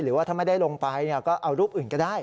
หรือว่าถ้าไม่ได้ลงไปก็เอารูปอื่นก็ได้